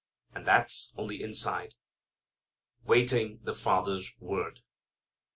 And that's on the inside. Waiting the Father's Word.